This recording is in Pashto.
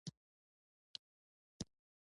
د ملي قیام رهبري پر غاړه واخلي.